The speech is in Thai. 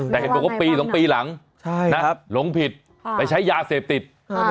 แต่เห็นบอกว่าปี๒ปีหลังหลงผิดไปใช้ยาเสพติด